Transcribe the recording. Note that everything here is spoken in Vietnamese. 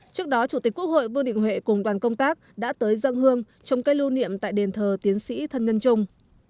trước đó chủ tịch quốc hội vương định huệ cùng đoàn công tác đã tới dâng hương trong cây lưu niệm tại đền thờ tiến sĩ thân nhân trung